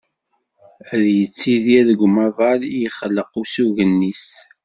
Ad yettidir deg umaḍal i d-yexleq usugen-is.